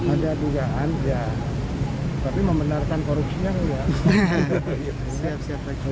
ada dugaan ya tapi membenarkan korupsinya enggak